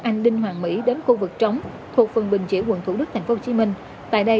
anh đinh hoàng mỹ đến khu vực trống thuộc phần bình chỉa quận thủ đức tp hcm tại đây